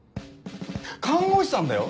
看護師さんだよ？